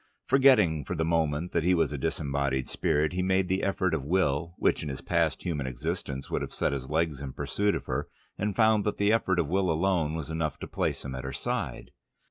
Forgetting for the moment that he was a disembodied spirit, he made the effort of will which in his past human existence would have set his legs in pursuit of her, and found that the effort of will alone was enough to place him at her side.